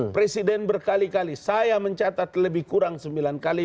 presiden berkali kali saya mencatat lebih kurang sembilan kali